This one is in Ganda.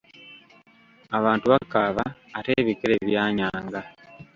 Abantu bakaaba, ate ebikere byanyaaga.